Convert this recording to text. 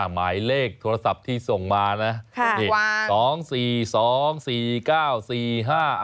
หมายเลขโทรศัพท์ที่ส่งมานะ